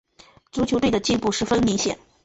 球队的进步十分明显。